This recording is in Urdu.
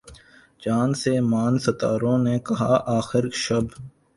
چاند سے ماند ستاروں نے کہا آخر شب